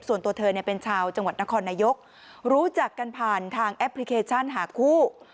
ส่วนตัวเธอเนี่ยเป็นชาวจังหวัดนครนายกรู้จักกันผ่านทางแอปพลิเคชันหาคู่